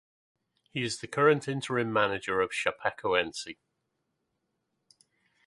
He is the current interim manager of Chapecoense.